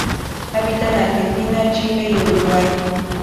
Habita en Argentina, Chile y Uruguay.